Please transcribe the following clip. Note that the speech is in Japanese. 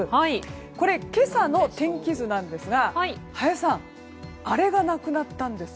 これ、今朝の天気図なんですが林さんあれがなくなったんです。